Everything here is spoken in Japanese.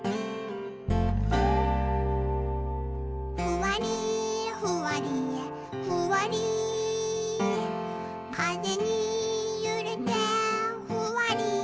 「ふわりふわりふわりかぜにゆれてふわり」